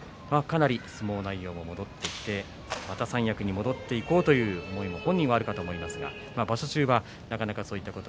相撲内容も戻ってきてまた三役に戻っていくという本人も思いがあるかと思います。